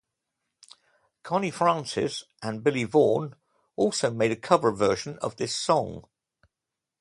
Connie Francis and Billy Vaughn also made a cover version of this song.